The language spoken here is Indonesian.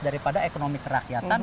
dari pada ekonomi kerakyatan